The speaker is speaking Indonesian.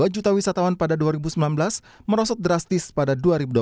dua juta wisatawan pada dua ribu sembilan belas merosot drastis pada dua ribu dua puluh